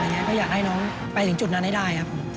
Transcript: ก็อยากให้น้องไปถึงจุดนั้นให้ได้ครับผม